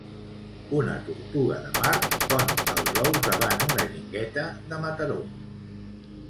Una tortuga de mar pon els ous davant una guingueta de Mataró.